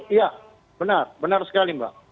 iya benar benar sekali mbak